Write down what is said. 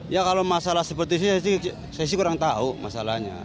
ya kalau masalah seperti itu saya sih kurang tahu masalahnya